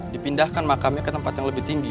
dipindahkan makamnya ke tempat yang lebih tinggi